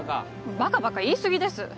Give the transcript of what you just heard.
バカ、バカ、言いすぎです。